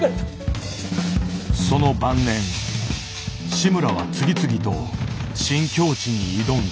その晩年志村は次々と新境地に挑んだ。